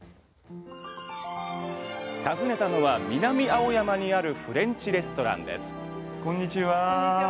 訪ねたのは南青山にあるフレンチレストランですこんにちは。